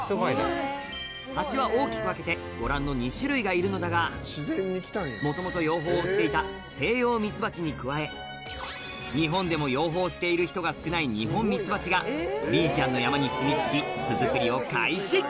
蜂は大きく分けてご覧の２種類がいるのだが元々養蜂をしていたセイヨウミツバチに加え日本でも養蜂している人が少ないニホンミツバチがリリちゃんの山にすみ着き巣作りを開始